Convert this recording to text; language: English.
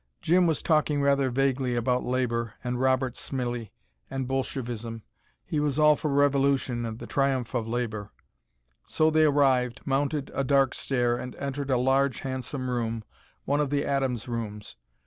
Jim was talking rather vaguely about Labour and Robert Smillie, and Bolshevism. He was all for revolution and the triumph of labour. So they arrived, mounted a dark stair, and entered a large, handsome room, one of the Adams rooms.